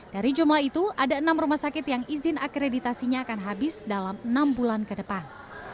dari jumlah itu ada enam rumah sakit yang izin akreditasinya akan habis dalam enam bulan ke depan